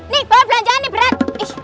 nih bawa belanjaan nih berat